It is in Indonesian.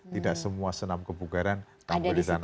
tidak semua senap kebukaran tampil di sana